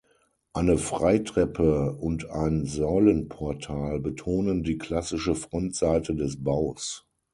Eine Freitreppe und ein Säulenportal betonen die klassische Frontseite des Baus.